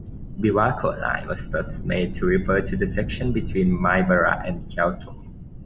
Biwako Line was thus made to refer to the section between Maibara and Kyoto.